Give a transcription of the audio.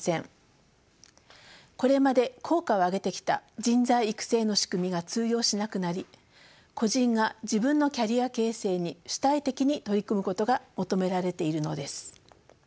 これまで効果を上げてきた人材育成の仕組みが通用しなくなり個人が自分のキャリア形成に主体的に取り組むことが求められているのです。